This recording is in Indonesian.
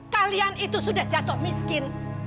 kalian itu sudah jatuh miskin